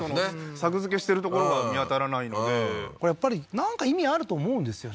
作付けしてる所が見当たらないのでやっぱりなんか意味あると思うんですよね